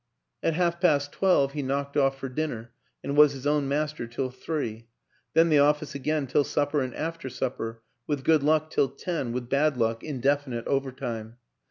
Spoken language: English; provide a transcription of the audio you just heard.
At half past twelve he knocked off for dinner and was his own master till three ; then the office again till supper and after supper with good luck till ten, with bad luck indefinite overtime.